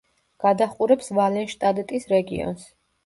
გადაჰყურებს ვალენშტადტის რეგიონს.